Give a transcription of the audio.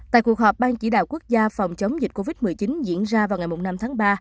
tại cuộc họp ban chỉ đạo quốc gia phòng chống dịch covid một mươi chín diễn ra vào ngày năm tháng ba